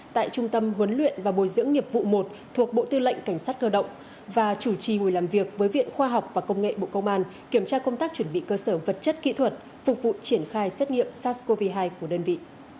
tại trung tâm huấn luyện và bồi dưỡng nghiệp vụ một thuộc bộ tư lệnh cảnh sát cơ động và chủ trì buổi làm việc với viện khoa học và công nghệ bộ công an kiểm tra công tác chuẩn bị cơ sở vật chất kỹ thuật phục vụ triển khai xét nghiệm sars cov hai của đơn vị